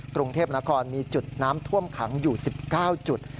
กรุงเทพนครมีจุดน้ำท่วมขังอยู่๑๙จุด